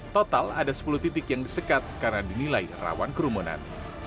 total ada sepuluh titik yang disekat karena dinilai rawan kerumunan